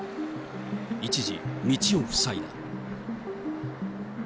一時、道を塞いだ。